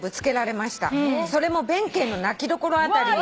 「それも弁慶の泣き所あたりに」